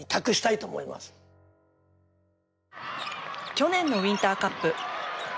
去年のウインターカップ。